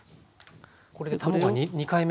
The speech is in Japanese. これで卵２回目。